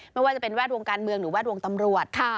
ไม่ว่าจะเป็นแวดวงการเมืองหรือแวดวงตำรวจ